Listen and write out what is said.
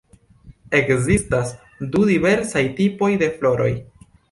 Ekzistas du diversaj tipoj de floroj.